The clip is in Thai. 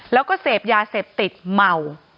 แล้วก็เสพยาเสพติดเมา